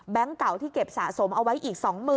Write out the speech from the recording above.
เก่าที่เก็บสะสมเอาไว้อีก๒๐๐๐